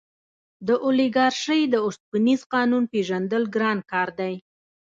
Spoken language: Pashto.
د اولیګارشۍ د اوسپنیز قانون پېژندل ګران کار دی.